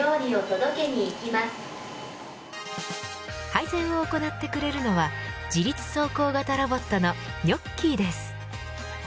配膳を行ってくれるのは自立走行型ロボットのニョッキーです。